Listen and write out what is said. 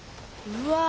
うわ！